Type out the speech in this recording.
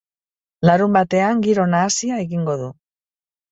Larunbatean giro nahasia egingo du.